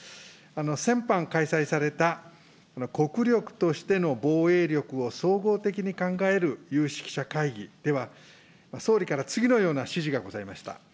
先般、開催された国力としての防衛力を総合的に考える有識者会議では、総理から次のような指示がございました。